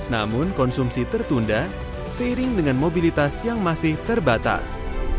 namun konsumsi tertunda seiring dengan mobilitas yang masih terbatas